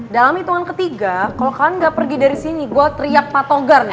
dalam hitungan ketiga kalau kalian gak pergi dari sini gue teriak patogar nih